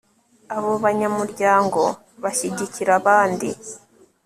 abo banyamuryango bashyigikira abandi